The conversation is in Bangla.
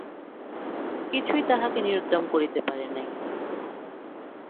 কিছুই তাহাকে নিরুদ্যম করিতে পারে নাই।